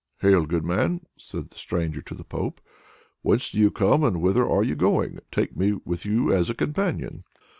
"Hail, good man!" said the stranger to the Pope. "Whence do you come and whither are you going? Take me with you as a companion."